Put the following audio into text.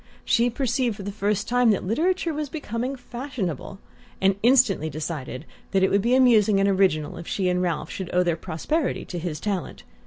She perceived for the first time that literature was becoming fashionable, and instantly decided that it would be amusing and original if she and Ralph should owe their prosperity to his talent.